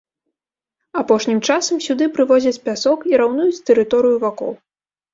Апошнім часам сюды прывозяць пясок і раўнуюць тэрыторыю вакол.